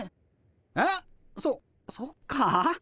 えっそそっか。